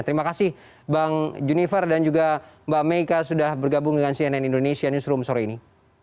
terima kasih bang junifer dan juga mbak meika sudah bergabung dengan cnn indonesia newsroom sore ini